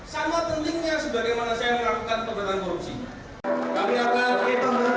sama pentingnya sebagaimana saya melakukan pemberantasan korupsi